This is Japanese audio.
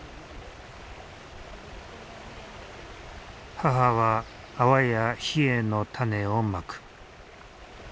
母はアワやヒエの種をまく。